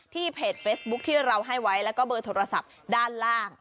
เพจเฟซบุ๊คที่เราให้ไว้แล้วก็เบอร์โทรศัพท์ด้านล่าง